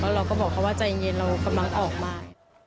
เราก็บอกเขาว่าใจเย็นเรากำลังออกมา